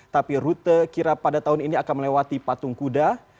tapi rute kirap pada tahun ini akan melewati patung kuda